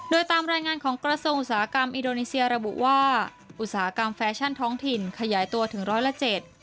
โดยตามรายงานของกระทรงอุตสาหกรรมอินโดนีเซียระบุว่าอุตสาหกรรมแฟชั่นท้องถิ่นขยายตัวถึงร้อยละเจ็ด